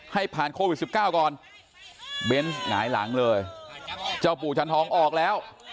ให้ผ่านโควิด๑๙ก่อนเบนส์หงายหลังเลยเจ้าปู่จันทองออกแล้ว